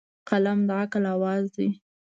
قلم د عقل اواز دی.